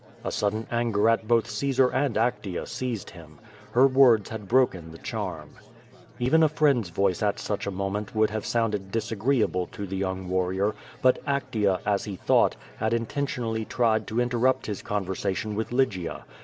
A sudden anger at both Caesar and Actea seized him. Her words had broken the charm. Even a friend*s voice at such a moment would have sounded disagreeable to the young warrior, but Actea, as he thought, had intentionally tried to interrupt his conversation with Lygia.